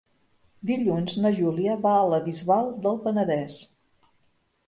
Dilluns na Júlia va a la Bisbal del Penedès.